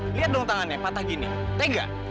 liat dong tangannya patah gini tegang